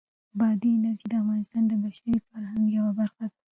بادي انرژي د افغانستان د بشري فرهنګ یوه برخه ده.